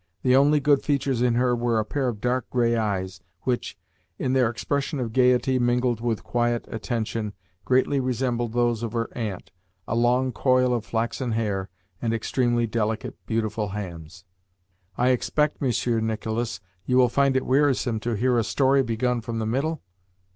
The only good features in her were a pair of dark grey eyes, which, in their expression of gaiety mingled with quiet attention, greatly resembled those of her aunt a long coil of flaxen hair, and extremely delicate, beautiful hands. "I expect, Monsieur Nicolas, you find it wearisome to hear a story begun from the middle?"